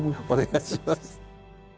お願いします。